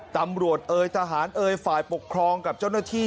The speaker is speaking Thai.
ตำรวจเอยทหารเอ่ยฝ่ายปกครองกับเจ้าหน้าที่